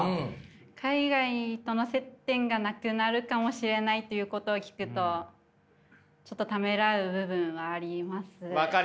海外との接点がなくなるかもしれないということを聞くとちょっとためらう部分はあります。